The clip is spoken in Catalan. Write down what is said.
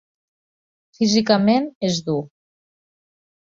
Físicament és dur.